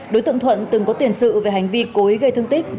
đối tượng thuận từng có tiền sự về hành vi cố ý gây thương tích